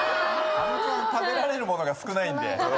あのちゃん食べられるものが少ないんで。